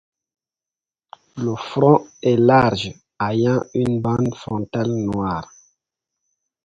Le front est large, ayant une bande frontale noire.